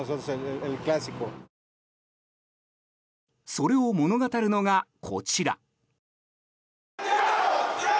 それを物語るのが、こちら。